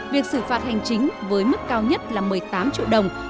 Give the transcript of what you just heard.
việc xử phạt hành chính với mức cao nhất là một mươi tám triệu đồng